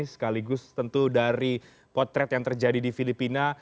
sekaligus tentu dari potret yang terjadi di filipina